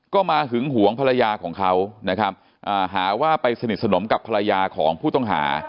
ก็มาหึงหวงภรรยาของเขานะครับหาว่าไปสนิทสนมกับภรรยาของผู้ต้องหา